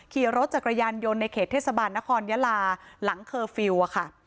ขี่รถจักรยานยนต์ในเขตเทศบาลนครยาลาหลังเคอร์ฟิลล์ค่ะ